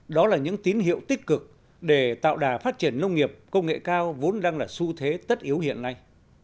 đó là những tín hiệu tích cực để tạo đà phát triển nông nghiệp công nghệ cao vốn đang là xu thế tất yếu hiện nay